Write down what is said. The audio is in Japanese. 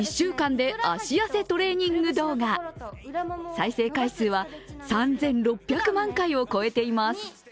再生回数は３６００万回を超えています。